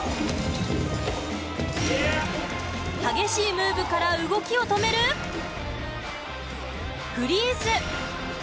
激しいムーブから動きを止めるフリーズ。